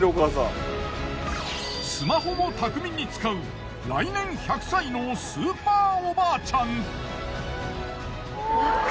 スマホも巧みに使う来年１００歳のスーパーおばあちゃん。